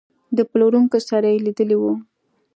د پلورونکو سره یې لیدلي وو.